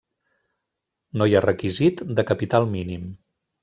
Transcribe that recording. No hi ha requisit de capital mínim.